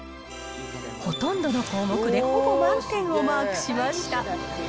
ほとんどの項目でほぼ満点をマークしました。